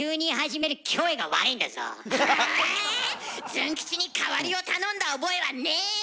ズン吉に代わりを頼んだ覚えはねえわ！